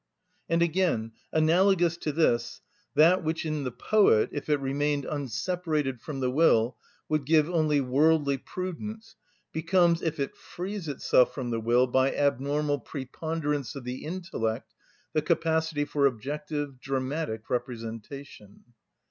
And again, analogous to this, that which in the poet, if it remained unseparated from the will, would give only worldly prudence, becomes, if it frees itself from the will by abnormal preponderance of the intellect, the capacity for objective, dramatic representation.